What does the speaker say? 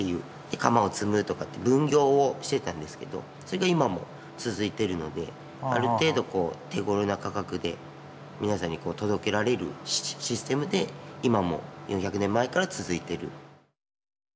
窯を積むとかって分業をしてたんですけどそれが今も続いてるのである程度手ごろな価格で皆さんに届けられるシステムで今も４００年前から続いてる。